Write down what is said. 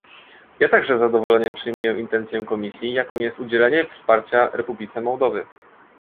Ja także z zadowoleniem przyjmuję intencję Komisji, jaką jest udzielenie wsparcia Republice Mołdowy